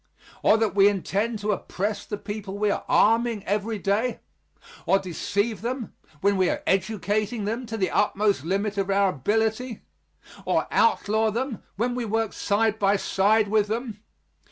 Or that we intend to oppress the people we are arming every day? Or deceive them, when we are educating them to the utmost limit of our ability? Or outlaw them, when we work side by side with them?